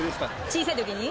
小さい時に？